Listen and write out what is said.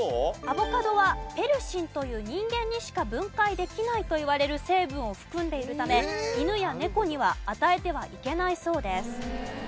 アボカドはペルシンという人間にしか分解できないといわれる成分を含んでいるため犬や猫には与えてはいけないそうです。